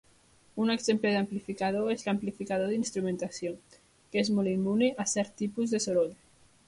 Un exemple d'amplificador és l'amplificador d'instrumentació, que és molt immune a cert tipus de soroll.